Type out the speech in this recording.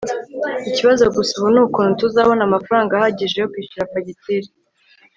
ikibazo gusa ubu nukuntu tuzabona amafaranga ahagije yo kwishyura fagitire